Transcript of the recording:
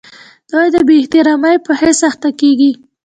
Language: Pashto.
دوی د بې احترامۍ په حس اخته کیږي.